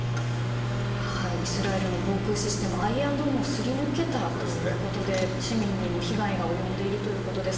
イスラエルの防空システムアイアンドームをすり抜けたということで市民にも被害が及んでいるということです。